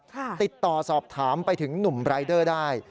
ติดต่อสอบถามไปถึงหนุ่มรายเดอร์ได้